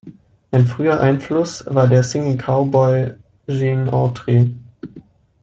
Ein früher Einfluss war der „Singing Cowboy“ Gene Autry.